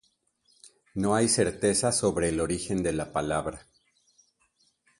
No hay certeza sobre el origen de la palabra.